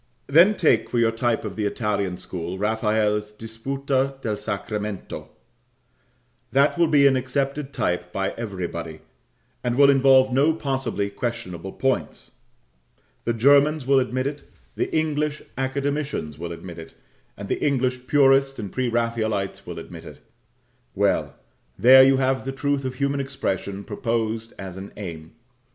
Then take, for your type of the Italian school, Raphael's "Disputa del Sacramento;" that will be an accepted type by everybody, and will involve no possibly questionable points: the Germans will admit it; the English academicians will admit it; and the English purists and pre Raphaelites will admit it. Well, there you have the truth of human expression proposed as an aim.